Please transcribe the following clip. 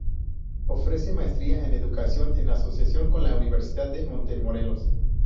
Ofrece maestría en educación en asociación con la Universidad de Montemorelos.